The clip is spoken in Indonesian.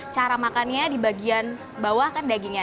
cara makannya di bagian bawah kan dagingnya